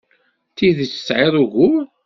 D tidet tesɛid ugur.